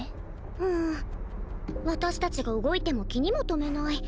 うん私達が動いても気にも留めない